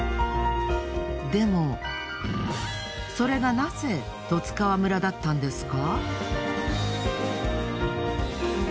でもそれがナゼ十津川村だったんですか？